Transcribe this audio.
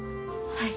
はい。